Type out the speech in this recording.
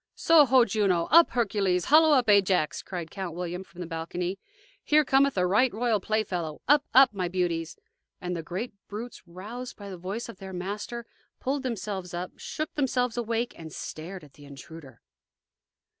"Soho, Juno! up, Hercules; hollo, up, Ajax!" cried Count William, from the balcony. "Here cometh a right royal playfellow up, up, my beauties!" and the great brutes, roused by the voice of their master, pulled themselves up, shook themselves awake, and stared at the intruder.